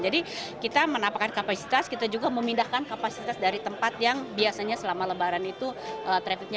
jadi kita menampakkan kapasitas kita juga memindahkan kapasitas dari tempat yang biasanya selama lebaran itu trafficnya